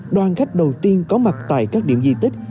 đoàn khách đầu tiên có mặt tại các điểm di tích